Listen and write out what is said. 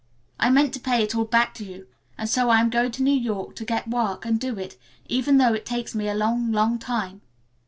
I meant to pay it all back to you, and so I am going to New York to get work and do it, even though it takes me a long, long time.